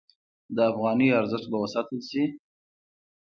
د افغانیو ارزښت به وساتل شي؟